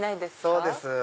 そうです。